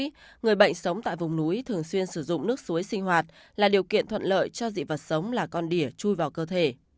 vì vậy người bệnh sống tại vùng núi thường xuyên sử dụng nước suối sinh hoạt là điều kiện thuận lợi cho dị vật sống là con đỉa chui vào cơ thể